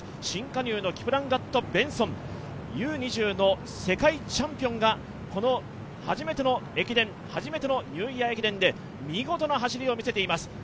新加入のキプランガット・ベンソンＵ２０の世界チャンピオンが初めての駅伝、初めてのニューイヤー駅伝で見事な走りを見せています。